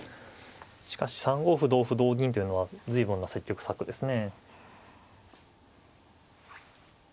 しかし３五歩同歩同銀というのは随分な積極策ですね。